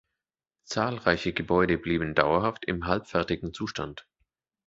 Zahlreiche Gebäude blieben dauerhaft im halbfertigen Zustand.